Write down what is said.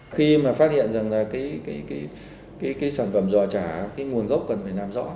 khi mà phát hiện rằng là cái sản phẩm dò trả cái nguồn gốc cần phải làm rõ